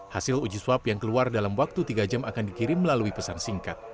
hasil uji swab yang keluar dalam waktu tiga jam akan dikirim melalui pesan singkat